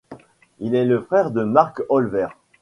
Il est le frère de Mark Olver.